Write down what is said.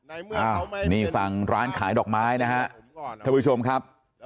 อ้าวนี่ฝั่งร้านขายดอกไม้นะฮะท่านผู้ชมครับ